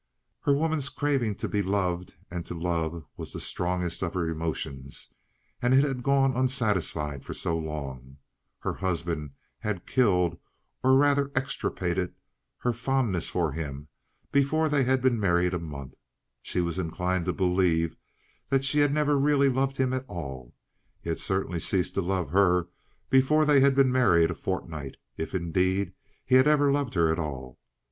Her woman's craving to be loved and to love was the strongest of her emotions, and it had gone unsatisfied for so long. Her husband had killed, or rather extirpated, her fondness for him before they had been married a month. She was inclined to believe that she had never really loved him at all. He had certainly ceased to love her before they had been married a fortnight, if, indeed, he had ever loved her at all.